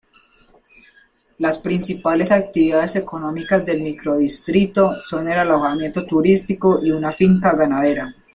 Las principales actividades económicas del microdistrito son el alojamiento turístico y una finca ganadera.